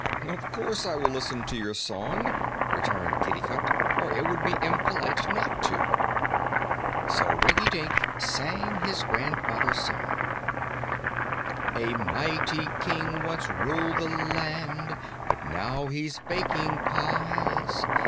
"Of course I will listen to your song," returned Kitticut, "for it would be impolite not to." So Rinkitink sang his grandfather's song: "A mighty King once ruled the land But now he's baking pies.